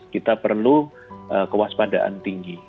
kita perlu kewaspadaan tinggi